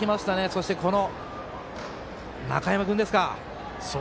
そして、中山君ですか。